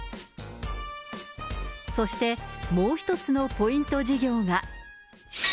そして、もう１つのポイント事業が。